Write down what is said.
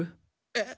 えっ？